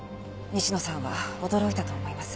西野さんは驚いたと思います。